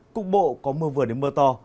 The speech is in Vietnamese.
cục bộ có mưa vừa đến mưa to